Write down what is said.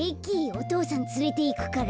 お父さんつれていくから。